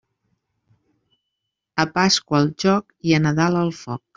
A Pasqua el joc i a Nadal el foc.